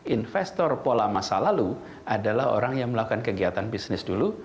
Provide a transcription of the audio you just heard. investor pola masa lalu adalah orang yang melakukan kegiatan bisnis dulu